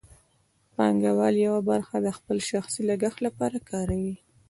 پانګوال یوه برخه د خپل شخصي لګښت لپاره کاروي